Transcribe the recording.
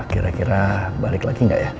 kira kira balik lagi nggak ya